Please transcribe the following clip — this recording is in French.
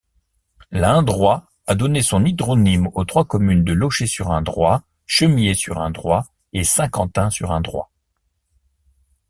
L'indrois a donné son hydronyme aux trois communes de Loché-sur-Indrois, Chemillé-sur-Indrois et Saint-Quentin-sur-Indrois.